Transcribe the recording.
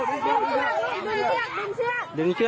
ดึงเชือกดึงเชือกดึงเชือกดึงเชือก